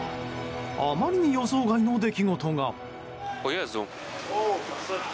あまりに予想外の出来事が。